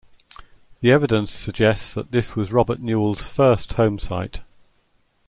The evidence suggests that this was Robert Newell's first homesite.